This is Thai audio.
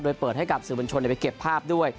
โดยเปิดให้กับสื่อบัญชนไปเก็บภาพด้วย